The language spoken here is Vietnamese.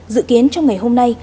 dự kiến trong ngày hôm nay